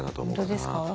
本当ですか。